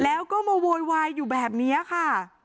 แล้วก็มาโวยวายอยู่แบบนี้ค่ะ